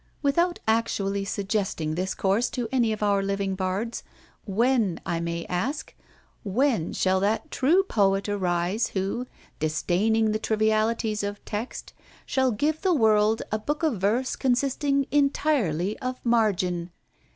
Without actually suggesting this course to any of our living bards, when, I may ask—when shall that true poet arise who, disdaining the trivialities of text, shall give the world a book of verse consisting entirely of margin?